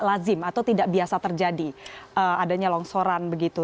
lazim atau tidak biasa terjadi adanya longsoran begitu